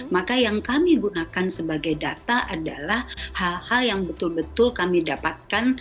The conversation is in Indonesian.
maka yang kami gunakan sebagai data adalah hal hal yang betul betul kami dapatkan